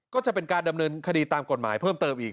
ก็จะเป็นการดำเนินคดีตามกฎหมายเพิ่มเติมอีก